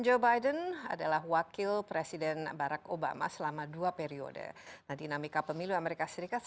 memang semangat penonton pemilihan amerika serikat